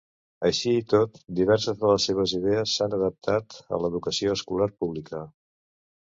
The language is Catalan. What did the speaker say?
Així i tot, diverses de les seves idees s'han adaptat a l'educació escolar pública.